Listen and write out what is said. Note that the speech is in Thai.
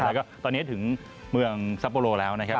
แล้วก็ตอนนี้ถึงเมืองซัปโปโลแล้วนะครับ